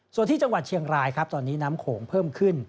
ส่วนที่จังหวัดเชียงรายครับตอนนี้น้ำโขงเพิ่มขึ้น